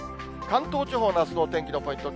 関東地方のあすのお天気のポイント。